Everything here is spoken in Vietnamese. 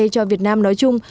cho việt nam nói chung